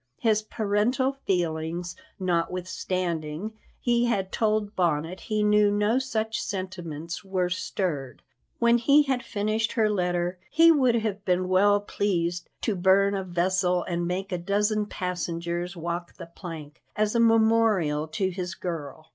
His parental feelings, notwithstanding he had told Bonnet he knew no such sentiments, were stirred. When he had finished her letter he would have been well pleased to burn a vessel and make a dozen passengers walk the plank as a memorial to his girl.